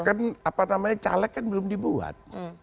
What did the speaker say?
kan apa namanya caleg kan belum dibuat